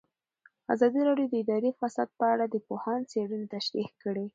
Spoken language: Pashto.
ازادي راډیو د اداري فساد په اړه د پوهانو څېړنې تشریح کړې.